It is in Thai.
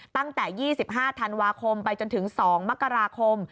ตั้งแต่๒๕ธันวาคมไปจนถึง๒มกราคม